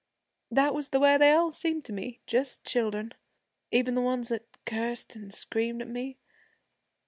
That was the way they all seemed to me just children. Even the ones that cursed an' screamed at me.